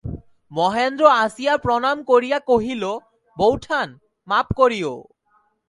মহেন্দ্র আসিয়া প্রণাম করিয়া কহিল, বৌঠান, মাপ করিয়ো।